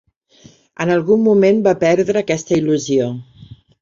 En algun moment va perdre aquesta il·lusió.